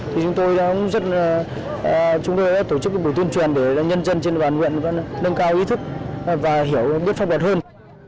thì chúng tôi đã tổ chức cái buổi tuyên truyền để nhân dân trên đoàn huyện đâng cao ý thức và hiểu biết pháp luật hơn